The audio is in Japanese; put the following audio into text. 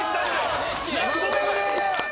ラストダブル！